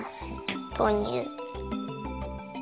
とうにゅう。